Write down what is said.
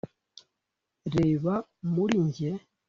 reba muri njye